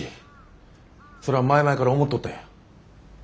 それは前々から思とったんや。